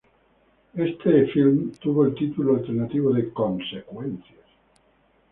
Este filme tuvo el título alternativo de "Consecuencias".